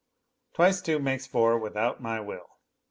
Twice two makes four without my will.